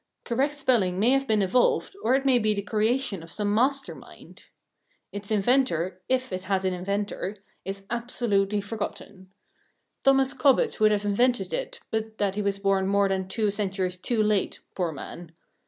Correct spelling may have been evolved, or it may be the creation of some master mind. Its inventor, if it had an inventor, is absolutely forgotten. Thomas Cobbett would have invented it, but that he was born more than two centuries too late, poor man.